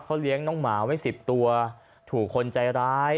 เลี้ยงน้องหมาไว้๑๐ตัวถูกคนใจร้าย